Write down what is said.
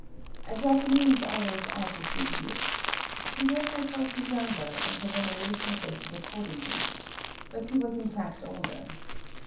A Japanese always adds a few years. She therefore thought him younger, and her veneration abated accordingly. But he was in fact older.